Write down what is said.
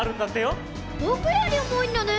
ぼくよりおもいんだね！